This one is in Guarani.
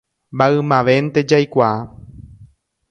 Maymavénte jaikuaa